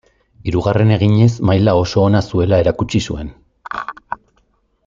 Hirugarren eginez maila oso ona zuela erakutsi zuen.